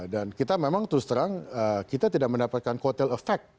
kita memang terus terang kita tidak mendapatkan kotel efek